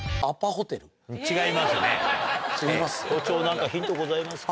違いますね校長何かヒントございますか？